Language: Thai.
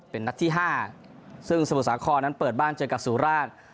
เป็นนัดที่๕ซึ่งสมุทรสาครนั้นเปิดบ้านเจอกับสุราช